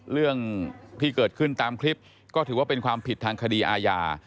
เรื่องที่เกิดขึ้นตามคลิปก็ถือว่าเป็นความผิดทางคดีอาญา